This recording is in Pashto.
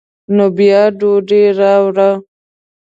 نو بیا ډوډۍ راوړه.